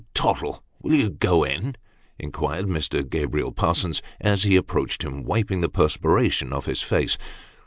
" Tottlo, will you 'go in '?" inquired Mr. Gabriel Parsons, as he approached him, wiping the perspiration off his face.